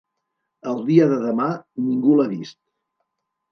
El dia de demà ningú l'ha vist.